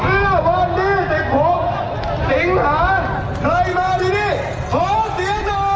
เมื่อวันนี้สิบหกสิงหาใครมาที่นี่พอเสียใจ